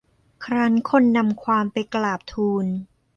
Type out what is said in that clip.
ครั้นคนนำความไปกราบทูล